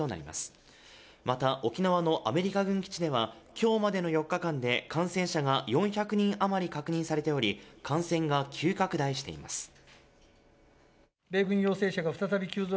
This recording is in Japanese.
また沖縄のアメリカ軍基地では今日までの４日間で感染者が４００人余り確認されており感染が急拡大しています。